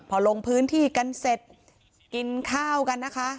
พอลงพื้นที่กันเสร็จกินข้าวกันนะคะ